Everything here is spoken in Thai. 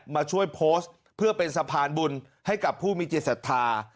มาช่วยโพสต์เพื่อเป็นสะพานบุญให้กับผู้มีจิตศรัทธา